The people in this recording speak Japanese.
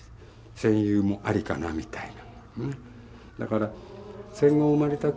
戦友もありかなみたいな。